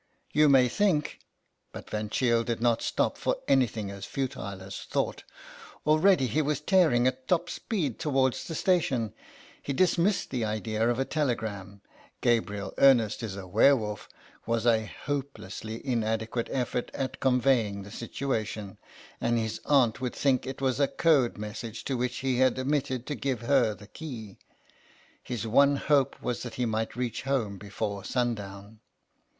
You may think " But Van Cheele did not stop for anything as futile as thought. Already he was tearing at top speed towards the station. He dis missed the idea of a telegram. " Gabriel Ernest is a werewolf" was a hopelessly 58 GABRIEL ERNEST inadequate effort at conveying the situation, and his aunt would think it was a code message to which he had omitted to give her the key. His one hope was that he might reach home before sundown.